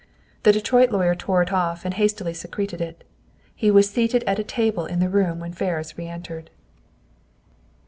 The Detroit lawyer tore it off and hastily secreted it. He was seated at a table in the room when Ferris reentered.